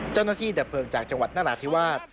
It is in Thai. เจ้าหน้าที่ดับเพลิงจากชาวนชาวนั้นนราธิวาส